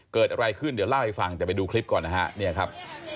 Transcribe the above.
เกิดอะไรขึ้นเดี๋ยวเล่าให้ฟังแต่ไปดูคลิปก่อนนะฮะเนี่ยครับ